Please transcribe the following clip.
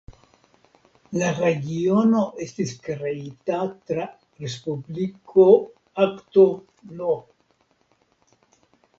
La regiono estis kreita tra Respubliko Akto No.